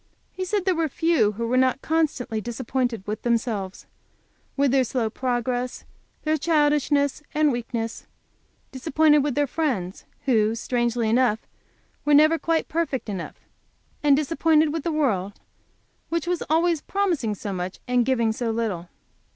He said there were few who were not constantly disappointed with themselves, with their slow progress, their childishness and weakness; disappointed with their friends who, strangely enough, were never quite perfect enough, and disappointed with the world, which was always promising so much and giving so little.